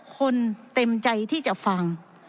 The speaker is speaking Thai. เต็มใจที่จะฟัง